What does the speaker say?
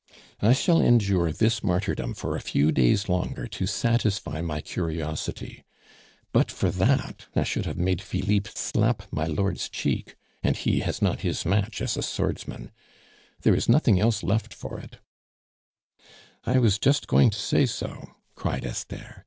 "I shall endure this martyrdom for a few days longer to satisfy my curiosity. But for that, I should have made Philippe slap my lord's cheek and he has not his match as a swordsman. There is nothing else left for it " "I was just going to say so," cried Esther.